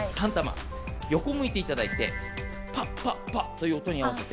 横を向いていただいて「パッパッパッ」という音に合わせて。